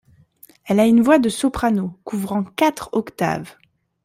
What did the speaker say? Elle a une voix de soprano couvrant quatre octaves.